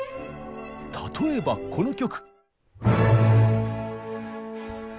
例えばこの曲。